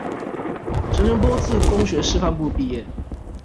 陳澄波自公學師範部畢業